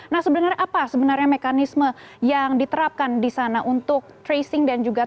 nah sebenarnya apa sebenarnya mekanisme yang diterapkan di sana untuk tracing dan juga